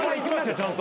ちゃんと。